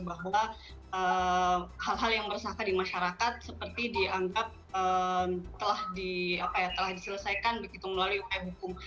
bahwa hal hal yang meresahkan di masyarakat seperti dianggap telah diselesaikan begitu melalui upaya hukum